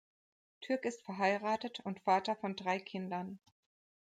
Türk ist verheiratet und Vater von drei Kindern.